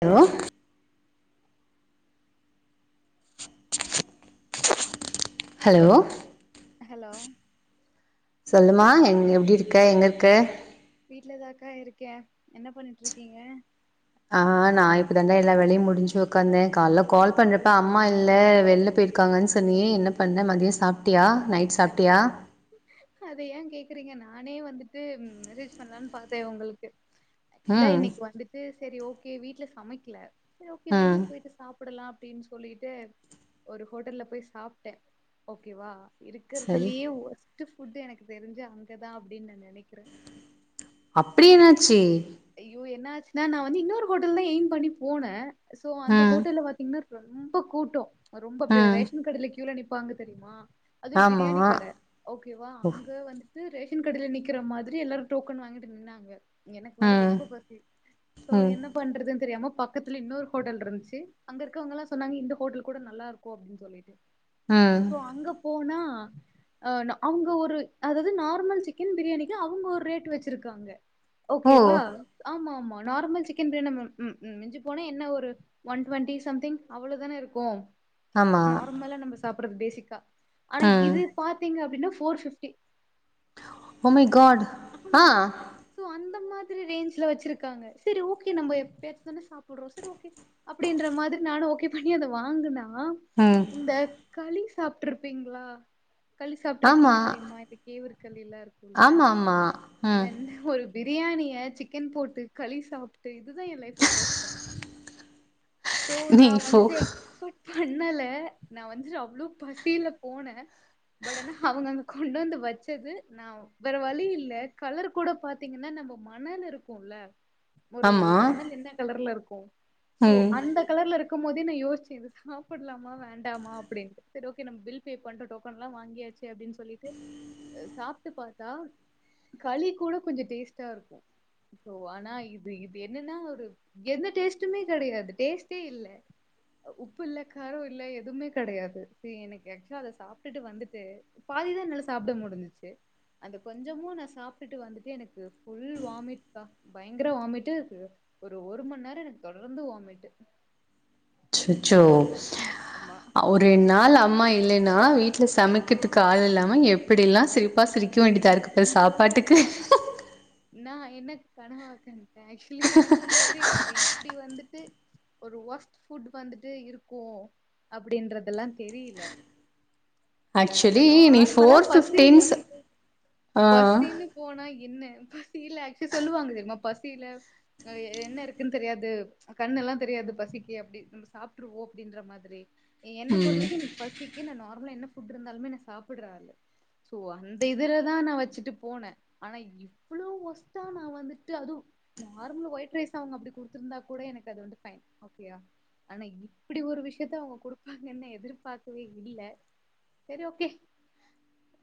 Hello hello hello சொல்லுமா எ எப்டி இருக்க எங்க இருக்க வீட்லதாக்கா இருக்கேன் என்ன பண்ணிட்டு இருக்கீங்க ஆ நான இப்பதாண்டா எல்லா வெளயும் முடிஞ்சு உடக்காந்தேன் கால கால் பண்றப்ப அம்மா இல்ல வெளில போயிருக்காங்கன்னு சொன்னி என்ன பண்ண மதியம் சாப்பட்டியா அத ஏன் கேக்குறீங்க நான நானே வந்துட்டு மெசேஜ் பண்ணலான்னு பாத்தேன் உங்களுக்கு இல்ல ம் இன்னைக்கு வந்துட்டு செரி ஓக்கே வீட்டு்ல சமைக்கல செரி ஓகே வெளிய ம் போயிட்டு சாப் சாப்படலாம் அப்டின்னு சொல்லிட்டு ஒரு ஹோட்டல்ல போய் சாப்பட்டேன் ஓகேவா சரி இருக்கறதுலயே எனக்குதெரிஞ்சு அங்கதான் அப்டின்னு நான நினைக்கிறேன் அப்டி என்னாச்சு யோ என்ன ஆச்சுன்னா நான வந்து இன்னொரு கோட்டலான் எய்ம் பண்ணி போனேன் சோ அந்த ம் ஹோட்டல்லல பாத்தீங்கன்னா ரொம்ப கூட்டம் ரொம்ப அப்ப ம் ரேஸன் கடயல கியூல பாக்க தெரியுமா அது ஒரு ஆமா பிரியாணி கட ஓகேவா ஓ அங்க வந்து ரேஷன் கடல நிக்கிற மாரி எல்லாரும் டோக்கன் வாங்கிட்டு நின்னாங்க வேற ம் ரொம்ப பசி சோ ம் என்ன பண்றதுன்னு தெரியாம பக்கத்துல இன்னொரு ஹோட்டல் இருந்ச்சு அங்க இருக்கவங்கெல்லாம் சொன்னாங்க இந்த ஹோட்டல் கூட நல்லா இருக்கு அப்டின்னு சொல்லிட்டு ம் சோ அங்க போனா ஆ அவங்க ஒரு அதாது நார்மல் சிக்கன் பிரியாணிக்கு அவங்க ஒரு ரேட் வச்சிருக்காங்க ஓ ஓகேவா ஆமா ஆமா நார்மல் சிக்கன் பிரியாணி ம் ம் மிஞ்சி போனா என்ன ஒரு ஒன் ட்வெண்ட்டி சம்திங் அவ்வளோ தானே இருக்கும் ஆமா நார்மலா நம்ம சாப் பேசிக்கா ஆனா ம் இது பாத்தீங்க அப்டின்னா four fifty oh my God ஆ சோ அந்த மாதிரி ரேஞ்ல வெச்சிருக்காங்க செரி ஓகே நம்ப எப்பயாச்சு தா சாப்டுறோ செரி ஓகே அப்டின்ற மாதிரி நானு ஓகே பனி அத வாங்குனா ஆ ம் இந்தக் களி சாப்ட்டுருப்பீங்களா களி சாப்ட்டு ஆமா இருக்கீங்க தெரியுமா இந்த கேவுறு களிலா இருக்கும்ல்ல ஆமா ஆமா ம் பிரியாணிய சிக்கன் போட்டு களி சாப்ட்டு இது தா எ லைஃப்ல பர்ஸ்ட் டைம் சோ நீ நா ஃபோ வந்துட்டு எக்ஸ்பட் பண்ணல நா வந்துட்டு அவ்ளோ பசில போனே பட் ஆனா அவங்க அங்க கொண்டு வந்து வச்சது நா வேற வலி இ இல்ல கலர் கூட பாத்தீங்கனா நம்ம மணல் இருக்கோம்ல்ல ஒரு ஆமா மணல் என்ன கலர்ல இருக் [inaudible] சோ ம் அந்த கலர்ல இருக்கு போது யோசிச்சே இத சாப்டலாமா வேண்டாமா அப்டின்ட்டு செரி ஓகே நம்ம பில் பே பண்றோ டோக்கன் எல்லா வாங்கியாச்சு அப்டினு சொல்லிட்டு சாப்டு பாத்தா களி கூட கொஞ்ஜோ டேஸ்ட்டா இருக்கு சோ ஆனா இது இது என்னன்னா ஒரு எந்த டேஸ்ட்டுமே கெடையாது டேஸ்ட்டே இல்ல உப்பு இல்ல காரோ இல்ல எதுமே கெடையாது சீ எனக்கு ஆக்சுவலா அத சாப்ட்டுட்டு வந்துட்டு பாதி தா என்னால சாப்ட முடிஞ்சிச்சு அந்த கொஞ்சமும் நா சாப்ட்டுட்டு வந்துட்டு எனக்கு புல் வாமிட் பா பயங்கர வாமிட்டு ஒரு ஒரு மணி நேரோ எனக்கு தொடர்ந்து வாமிட்டு் ச்சச்சோ ஒரு நாள் அம்மா இல்லைன்னா வீட்ல சமைக்கிறதுக்கு ஆள் இல்லாம எப்படிெல்லா சிரிப்பா சிரிக் சிரிக்க வேண்டிதா இருக்கு பாரு நா சாப்பாட்டுக்கு நா என்ன கனவா கண்டேன் ஆக்சுவலி எனக்கு தெரியாது இப்டி வந்துட்டு ஒரு ஒஸ்ட் ஃபுட் வந்துட்டு இருக்கும் அப்டின்றதெல்லாம் தெரியல இல்ல நம்ம ஆக்சுவலி நீ நார்மலா ஃபோர் பசின்னு ஃபிஃப்டீன்ஸ் ஆ பசின்னு போனா என்ன பசியில ஆக்சுவலி சொல்லுவாங்க தெரியுமா பசியில என்ன இருக்குன்னு தெரியாது கண்ண எல்லாம் தெரியாது பசிக்கு அப்டி நம்ம சாப்பட்டுருவோம் அப்டின்ற மாரி என்ன போறுத்தவரைக்கும் பசிக்கு நார்மலா என் இப்புட்ரு இருந்தாலுமே ந சாப்படுறா சோ அந்த இதுலதான் நான வச்சுட்டு போனேன் ஆனா இவ்வளோ ஒஸ்ட்டா நான வந்துட்டு அதுவும் நார்மல ஒயிட் ரைஸ் அவங்க அப்டி கொடுத்துருந்தா கூட எனக்கு அது வந்து பைன் ஓகோ ஆனா இப்டி ஒரு விஷயத்த அவங்க கொடுப்பாங்கன்னு எதிர்பார்க்கவே இல்ல செரி ஓகே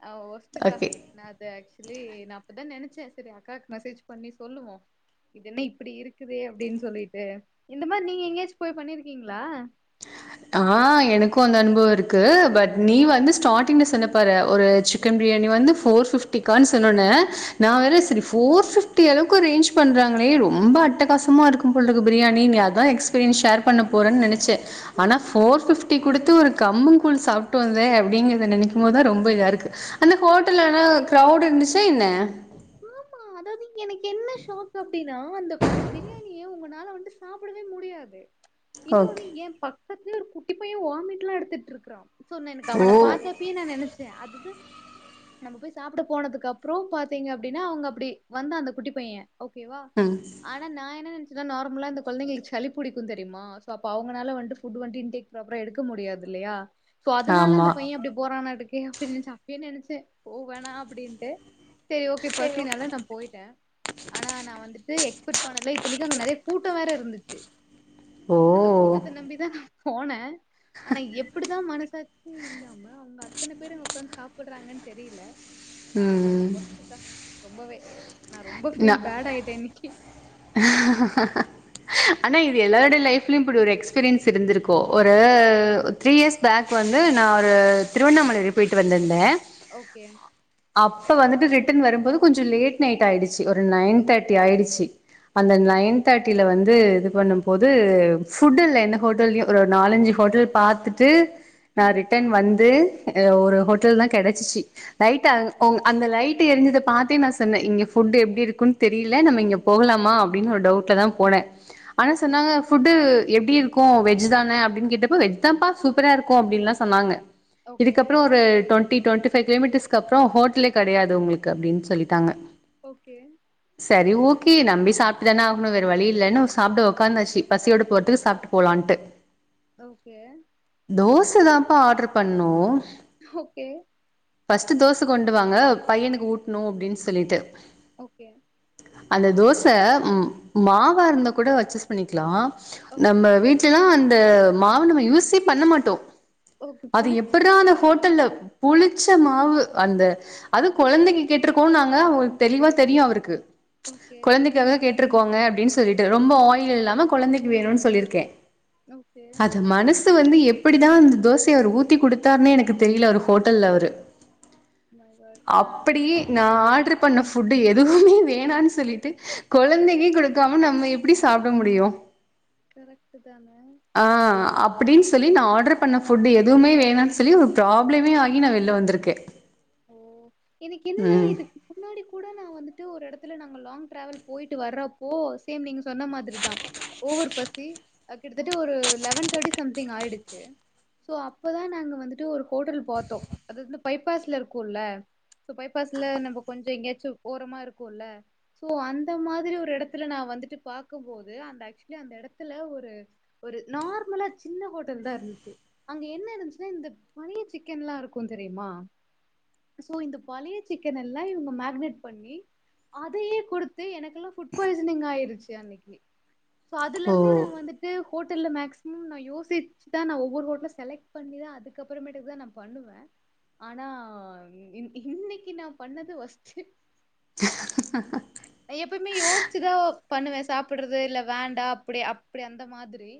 ஆ வஸ்துக்கா ஓகே நானத இல்ல நான அப்பதான் நினைச்சேன் செரி அக்காவுக்கு மெசேஜ் பண்ணி சொல்லுவோம் இது என்ன இப்டி இருக்குது அப்டின்னு சொல்லிட்டு இந்த மாரி நீங்க எங்கேயாச்சும் போய் பண்ணிருக்கீங்களா ஆ எனக்கும் அந்த அனுபவம் இருக்கு பட் நீ ஆ வந்துஸ்டார்டிங் சொன்ன பாரு ஒரு சிக்கன் பிரியாணி வந்து போர் பிப்டிக்கான்னு சொன்னுன நான ஆ. வேற செரி போர் பிப் இப்டி அளவுக்கு ரேஞ்ச் பண்றாங்களே ரொம்ப அட்டக்கசமா இருக்கும் போலறக்கு பிரியாணி அதான் எக்ஸ்பீரியன்ஸ் ஷேர் பண்ண போறேன்னு நினைச்சேன் ஆனா போர் பிப்டி குடுத்து ஒரு கம்மு கூழ் சாப்பட்டு வந்த அப்டிங்கறத நினைக்கும் போதுதான் ரொம்ப இதா இருக்கு அந்த ஹோட்டல்லன கிரௌட இருந்துச்சா என்ன ஆமா அதாவது எனக்கு என்ன ஷாக் அப்டின்னா அந்த அந்த பிரியாணிய உங்கனால வந்துட்டு சாப்படவே முடியாது இன்னொ ஓகே நீ என் பக்கத்து குட்டி போய வாமிட்லாம் எடுத்துகட்டு இருக்கான் சொன்னேன் எனக்கு ஓ அவன பாத்தாப்ப நான நினைச்சேன் அதுதான் நம்ம போய் சாப்பிட போனதுக்கு அப்பறம் பாத்தீங்க அப்டின்னா அவங்க அப்டி வந்து அந்த குட்டி பையன் ஓகேவா ம் ஆனா நான என்ன நன் இல்ல நார்மலாக இந்த கொழந்தைங்களுக்கு சளி பிடிக்கும் தெரியுமா ஸோ அப்போ அவனால் வந்துட்டு ஃபுட் வட்டு இன்டே ப்ராகடுக்க முடியாது இல்லயா சோ அதனால ஆமா அந்த பையன் அப்டி போறான்னாட்டுக்குப்பின்னு நினச்சு அப்பைய நினைச்சன் போகணா அப்டின்ட்டு தெரிய பசினால நான போயிட்டேன் ஆனா நான வந்துட்டு எக்ஸ்பெக்ட் பண்ணல இத்தனைக்கும் அங்க நெறைய கூட்டம் வேற இருந்துச்சு ஓ அந்த கூட்டத்தை நம்பிதான் போனேன் ஆனா எப்டிதான் மனசாட்சி இல்லாம அவங்க அத்தனை பேரும் அங்க உட்க்காந்து சாப்படுறாங்கன்னு தெரியல ம் ஆஹ்ஸக்கா ரொம்பவே நான ரொம்ப ஃபீல் பேடா ஆயிட்டேன் இன்னைக்கி ஆனால் இது எல்லோருடைய லைஃப்லயும் இப்டி ஒரு எக்ஸ்பீரியன்ஸ் இருந்திருக்கோ ஒரு த்ரீ இயர்ஸ் பேக் வந்து நான ஒரு திருவண்ணாமலையில் போயி்ட்டு வந்திருந்தேன் ஓகே அப்ப வந்துட்டு [inaudible] ரிட்டன் வரும்போது கொஞ்சம் லேட் நைட் ஆயிடுச்சு ஒரு நைன் தேர்ட்டி ஆயிடுச்சு அந்த ஓகே நைன் தேர்ட்டியில வந்து இது இது பண்ணும்போது புட் இல்ல எந்த ஹோட்டலேயு ஒரு நாலஞ்சு ஹோட்டல் பாத்துட்டு நா ம் ரிட்டன் வந்து ஒரு ஹோட்டல் தா கெடச்சிச்சு லைட்டா அந்த லைட் தெரிஞ்சுது பாத்தே நா சொன்னே இங்க புட் எப்டி இருக்குன் தெரியல நம்ம இங்க போகலாமா அப்டினு ஒரு டவுட்ல தா போனே ஆனா ஓகே சொன்னாங்க ஃபுட்டு எப்டி இருக்கோ வெஜ் தானே அப்டினு கேட்டப்ப வெஜ் தாப்பா சூப்பரா இருக்கோ அப்டின்லா சொன்னாங்க ஓகே இதுக்கப்றோ ஒரு டுவெண் டுவண்டி டுவண்டிபை கிலோமிட்டர்ஸ்க்கப்றோ ஹோட்லே கெடையாது உங்ளு அப்டினு சொல்லிட்டாங்க ஓகே சேரி ஹூக் கிளம்பி சாப் இல்லனா [unintelligible] வேற வழி இலன்னு சாப்ட உக்காந்தாச்சு பசியோட போறதுக்கு சாப்பிட்டு போலான்ட்டு ஓகே து தான்பா ஆட்ரு பண்ணோ ஓகே பஸ்டு தோச கொண்டுவாங்க பையனுக்கு ஊட்னோ அப்டின் சொல்லிட்டு ஓகே அந்த தோச உம் மாவா இருந்த கூட அச்சஸ் பண்ணிக்கலா ஓகே நம்ம வீட்லலா இந்த மாவ நம்ம யூசே பண்ண மாட்டோ ஓகே அது எப்புரா புளிச்சிருச்சா அந்த ஹோட்டல்ல புளிச் புலிச்ச மாவு அந்த அது குழந்தைக்கு கேட்டிருக்கோ நாங்க அவருக்கு தெளிவா தெரியு அவருக்கு ஓகே குழந்தைக்கு அவங்க கே க்கோங்க அப்டின் சொல்லிட்டு ரொம்ப ஆயில் இல்லாம குழந்தைக்கு வேணுனு சொல்லிருக்கே ஓகே அத மனசு வந்து எப் எப்டிதா அந்த தோசைய அவர் ஊத்தி கோடுத்தாருனே எனக்கு தெரியல அவர் ஹோடல்ல அவரு மை காட் ஆ அப்டியே நா ஆட்ரு குக் பண்ண பிவூட்டு எதுவுமே வேணானு சொல்லிட்டு குழந்தைக்கு குடுக்காம நம்ப எப்டி சாப்பிட முடியும் கரெக்டு தானே அப்டின் சொல்லி நா ஆட்ரு பண்ண ஃபுட் எதுவுமே வேனானு சொல்லி ஒரு ப்ராப்ளமே ஆயி நா வெல்ல வந்திருக்கே ஓ எனக்கு என்னன்னா ம் இதுக்கு முன்னாடி கூட நா வந்து து ஒரு எடதுல நாங்க லாங் ட்ராவல் போயிட்டு வரப்போ சேம் நீங்க சொன்ன மாதிரிதா ஓவர் பசி அது கிட்டதட்ட ஒரு லெவன் தர்ட்டி சம்திங் அயிடுச்சி சோ அப்பதா நாங்க வந்துட்டு ஒரு ஹோட்டல் பாத்தோ அது வந்து பைபாஸ்லா இருக் கோள்ளே பைபாஸ்ல நம்ப கொஞ்ச எங்கயாச்சு ஓரமா இருக்குல்ல சோ அந்த மாரி ஒரு இடத்துல நா வந்துட்டு பாக்கும்போது அந்த ஆக்சுவலி அந்த இடத்துல ஒரு ஒரு நார்மலா சின்ன ஹோட்டல் தா இருந்துச்சு அங்க என்ன இருஞ்சின இந்த பழைய சிக்கன்லா இருக்கோ தெரியுமா சோ இந்த பழைய சிக்கன் எல்லாம் இவங்க மேரினேட் பண்ணி அதயே குடுத்து எனக்கெல்லாம் புபுட் பாய்சனிங் ஆயிருச்சு அன்னைக்கு சோ அதுல ஓ இருந்தே நான வந்துட்டு ஹோட்டல மேக்சிமம் நான யோசிச்சு தான் நான ஒவ்வொரு ஹோட்டல செலக்ட் பண்ணிதான் தா நான பண்ணுவேன் ஆனா இன்னைக்கி நான பண்ணது வொஸ்ட்டு நான எப்யுமே யோசிச்சுதா பண்ணுவேன் சாப்படுறது இல்ல வேண்டாம் அப்டி அப்டி அந்த மாரி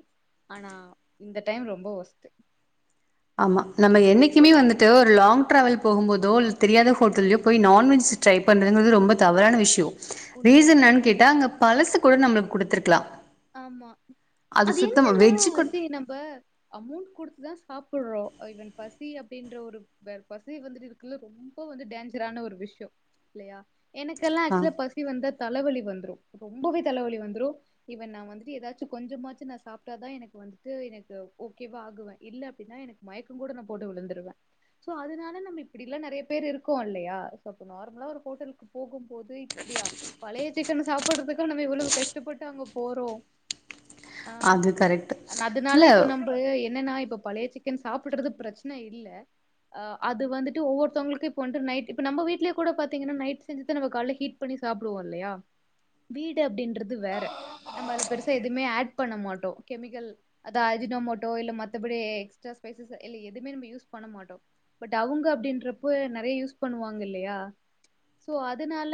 ஆனா இந்த டைம் ரொம்ப வொஸ்ட்டு ஆமா நம்ம என்னைக்குமே வந்துட்டு ஒரு லாங் டிராவல் போகும்போதோ தெரியாத ஹோட்டலேயோ போய் நான்வெஜ் ட்ரை பண்ணுதுங்கிறது ரொம்ப தவறான விஷயம் உண்ம ரீசன் என்னனு கேட்டா அங்க பழசு கூட நம்மளுக்கு கொடுத்துருக்கலாம் ஆமா அது என்னன்னா வெஜ்ஜு கூட செரி நம்ம அமௌண்ட் கொடுத்துதான் சாப்புடுறோம் இவன் பசி அப்படின்ற ஒரு வே பசி வந்துட்டு இருக்குறது ரொம்ப வந்து டேஞ்சரான ஒரு விஷயம் இல்லையா எனக்கெல்லாம் ஆ ஆக்சுவலா பசி வந்த தலைவலி வந்துடும் ரொம்பவே தலைவலி வந்துடும் இவன் நான வந்துட்டு ஏதாச்சும் கொஞ்சமாச்சு நான சாப்பட்டாதான் எனக்கு வந்துட்டு எனக்கு ஓகேவா ஆகுவேன் இல்ல அப்டின்னா எனக்கு மயக்கம் கூட நான போட்டு விழுந்துடுவேன் சோ அதனால நம்ம இப்டில்லாம் நெறைய பேர் இருக்கோம் இல்லயா அப்ப நார்மலா ஒரு ஹோட்டலுக்கு போகும் போது இப்டியா பழைய சிக்கன் சாப்படுறதுக்க நம்ம எவ்வளவு கஷ்டப்பட்டு அங்க போறோ ஆஹ் அது கரெக்ட் அதனால இப்ப இல்ல நம்ம என்னன்னா இப்ப பழைய சிக்கன் சாப்படுறது பிரச்சன இல்ல அஹ அது வந்துட்டு ஒவ்வொருத்தவங்களுக்கும் இப்ப வந்துட்டு நைட் இப்ப நம்ம வீடலயே கூட பாத்தீங்கன்னா நைட் செஞ்சுத நம்ம கால ஹீட் பண்ணி சாப்படுவோம் இல்லயா வீடு அப்டின்றது வேற நம்ம பெருசா எதுவுமே ஆட் பண்ண மாட்டோம் கெமிக்கல் அத அஜுனோ மோட்டோ இல்ல மற்றபடி எக்ஸ்ட்ரா ஸ்பைசஸ் இல்ல எதுவுமே நம்ம யூஸ் பண்ண மாட்டோம் பட் அவங்க அப்டின்றப்ப நெறைய யூஸ் பண்ணுவாங்க இல்லயா சோ அதனால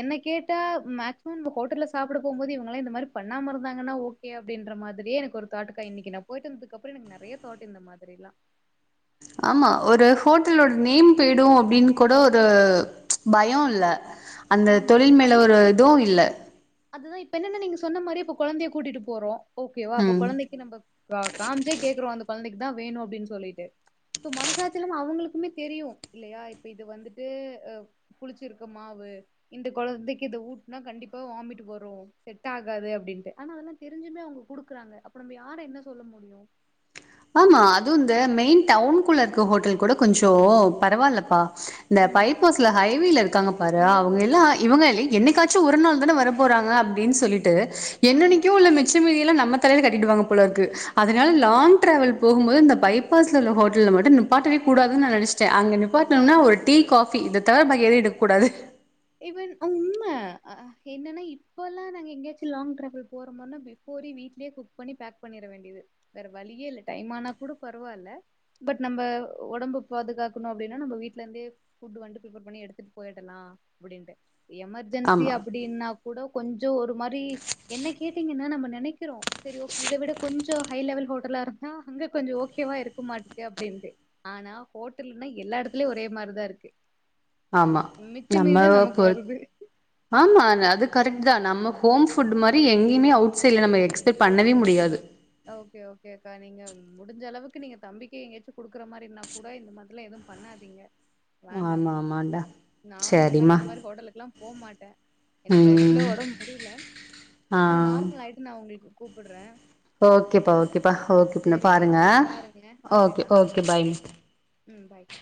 என்ன கேட்டா மேக்சிமம் நம்ம ஹோட்டல்ல சாப்பட போகும் போது இவங்காம் இந்த மாரி பண்ணாம இருந்தாங்கன்னா ஓகே அப்டின்ற மாரியே எனக்கு ஒரு தாட்டுக்கா இன்னைக்கி நான போயிட்டு இருந்ததுக்குப்பறம் எனக்கு நெறைய தாட் இந்த மாரில்லாம் ஆமா ஒரு ஹோட்டலோட நேம் போயிடும் அப்படின்னு கூட ஒரு பயம் இல்ல அந்த ஆமா. தொழில் மேல அது ஒரு இதுவும் இல்ல அதுதான் இப்ப என்னென்ன நீங்க சொன்ன மாதிரி இப்ப குழந்தைய கூட்டிட்டு போறோம் ஓகேவா அப்ப ம் கொழந்தைக்கு நம்ம காமிச்சே கேக்குறோம் அ கொழந்தைக்கு தான் வேணும் அப்டின்னு சொல்லிட்டு சோ மனசாச்சலமா அவங்களுக்குமே தெரியும் இல்லயா இப்ப இது வந்துட்டு அ புளிச்சிருக்க மாவு இந்த கொழந்தைக்கு இத ஊட்டுனா கண்டிப்பா வாமிட் வரும் செட் ஆகாது அப்டின்ட்டு ஆனா அதெல்லாம் தெரிஞ்சுமே அவங்க குடுக்குறாங்க அப்ப நம்ம யார என்ன சொல்ல முடியும் ஆமா அது வ இந்த மெயின் டவுனுக்குள்ள இருக்க ஹோட்டல் கூட கொஞ்சம் பரவாலப்பா இந்த ம். பைப்பாஸ்ல ஹைவேல இருக்காங்க பாரு ஐயோ! அவங்க எல்லாம் ஒர்ஸ்ட்டு இவங்க என்னை கா ஒரு நாள் தான வர போறாங்க அப்டின்னு சொல்லிட்டு ஆமா. என்னனைக்கும் உள்ள மிச்சமதிய நம்ம தலையில கட்டிட்டுவாங்க போலருக்கு ஒன்பதாவது போகும்போது இந்த பைபாஸ்ல உள்ள ஹோட்டல்ல மட்டும் நிப்பாட்டவே கூடாதுன்ன நினைச்சிட்டேன் அங்க நிப்பாணும்னா ஒரு டீ காஃபி இதை தவிர எடுக்க கூடாது வன் உண்ம என்னன்னா இப்ப எல்லாம் நாங்க எங்கேயாச்சும் லாங் டிரவல் போற போது பிபோர வீட்லயே குக் பண்ணி பேக் பண்ணிட வேண்டியது வேற வழியே இல்ல டைம் ஆனா கூட பரவாயில் பட் நம்ம உடம்ப பாதுகாக்கணும் அப்டின்னா நம்ம வீடல இருந்தேட் வந்து பிர் பண்ணி எடுத்துட்டு போயிடலாம் அப்டினு எமர்ஜென்சி ஆமா அப்டின்னா கூட கொஞ்சோ ஒரு மாரி என்ன கேட்டீங்கன்னா நம்ம நினைக்கிறோம் செரி ஓகே இத விட கொஞ்சம் ஹை லெவல் ஹோட்டலா இருந்தா அங்க கொஞ்சம் ஓகேவா இருக்க மாட்டேது அப்டின்னுட்டு ஆனா ஹோட்டல்ன்னா எல்லா இடத்துலயும் ஒரே மாரிதான் இருக்கு ஆமா மிச்ச நம்ம மீதிதா நமக்கு பொர வருது [unintelligible] ஆமா அதுக்கு கரெக்ட் தா நமஹோம் ஃபட் மாதிரி எங்கயுமே அட சைடல நம்ம எக்ஸ்பெக்ட் பண்ணவே முடியாது ஓகே-ஓகே அக்கா நீங்க முடிஞ்ச அளவுக்கு நீங்க தம்பிக்கை எங்கயாச்சும் குடுக்குற இந்த மாதிரினா கூட இந்த மாதிரி எல்லாம் எதுவும் பண்ணாதீங்க வேண்டா ஆமா ஆமாடா நானு இனிமல சரிம்மா இந்த மாதிரி ஹோட்டலுக்கு லா போக மாட்டே எனக்கு ஆக்சுவுலா ம் உடம்பு முடியல ஆ ஆஹ நார்மல் ஆயிட்டு நான் உங்களுக்கு கூப்பிடுறேன் ஓகேப்பா-ஓகேப் ப்ப ஓகே இப்ப ந பாருங்க சேரி பாருங்க ஓகேக்கா ஓகே-ஓகே பை ம் பாய்க்கா